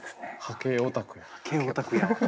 波形オタクやわ。